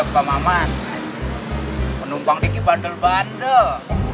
pak maman penumpang diki bandel bandel